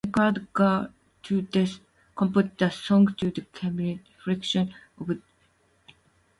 Eckhard Gerdes compared the song to the skinhead fiction of experimental writer Harold Jaffe.